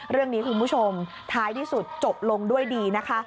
เรื่องนี้คุณผู้ชมท้ายที่สุดจบลงด้วยดีนะคะ